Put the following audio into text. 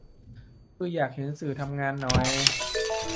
คืออยากเห็นสื่อทำงานหน่อย